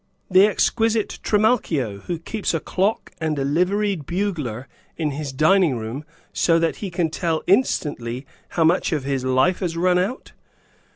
The exquisite Trimalchio, who keeps a clock and a liveried bugler in his dining room, so that he can tell, instantly, how much of his life has run out!"